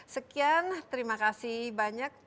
sekian terima kasih banyak